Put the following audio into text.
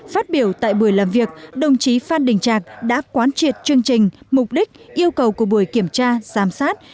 phát biểu tại buổi làm việc đồng chí phan đình trạc đã quán triệt chương trình mục đích yêu cầu của buổi kiểm tra giám sát